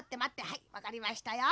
はいわかりましたよ。